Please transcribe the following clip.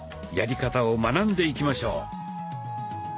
やり方を学んでいきましょう。